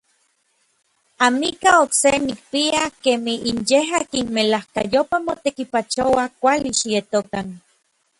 Amikaj okse nikpia kemij n yej akin melajkayopaj motekipachoua kuali xietokan.